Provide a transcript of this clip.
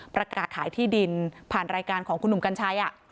ประกาศขายที่ดินผ่านรายการของคุณหนุ่มกัญชัย